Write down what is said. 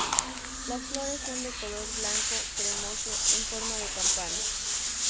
Las flores son de color blanco cremoso, en forma de campana.